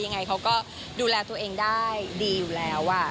ยังไงเขาก็ดูแลตัวเองได้ดีอยู่แล้ว